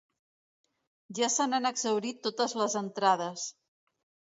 Ja se n’han exhaurit totes les entrades.